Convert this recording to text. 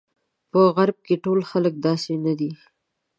په غرب کې ټول خلک داسې نه دي.